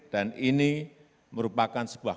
dan ini merupakan sebuah